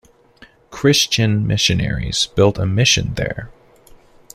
Christian missionaries built a mission there.